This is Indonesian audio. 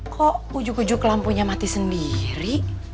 kok ujug ujug lampunya mati sendiri